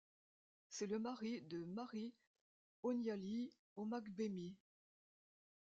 C'est le mari de Mary Onyali-Omagbemi.